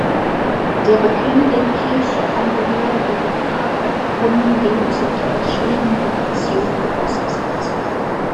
Der Bekennenden Kirche angehörende Vikare wurden hingegen zum Teil schweren Repressionen ausgesetzt.